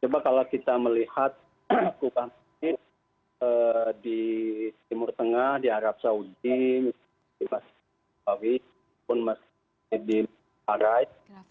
coba kalau kita melihat kubah masjid di timur tengah di arab saudi di masjid al bawiyah di masjid al haraib